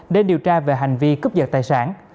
để điều tra về hành vi cướp giật tài sản